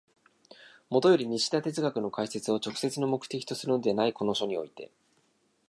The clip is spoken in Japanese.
もとより西田哲学の解説を直接の目的とするのでないこの書において、